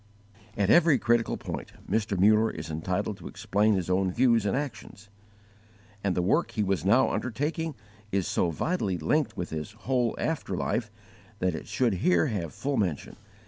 At every critical point Mr. Muller is entitled to explain his own views and actions; and the work he was now undertaking is so vitally linked with his whole after life that it should here have full mention.